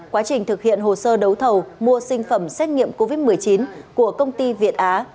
quá trình thực hiện hồ sơ đấu thầu mua sinh phẩm xét nghiệm covid một mươi chín của công ty việt á